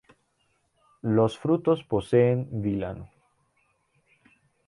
Los frutos poseen vilano.